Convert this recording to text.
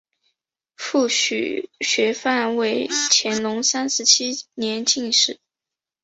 父许学范为乾隆三十七年进士。